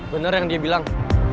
bener yang dia bilang